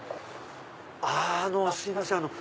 あのすいません